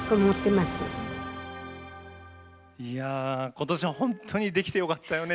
ことしは本当にできてよかったよね。